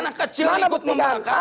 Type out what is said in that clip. anak anak kecil ikut membangkang